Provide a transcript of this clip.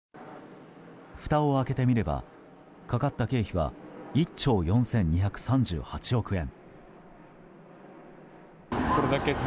ふたを開けてみればかかった経費は１兆４２３８億円。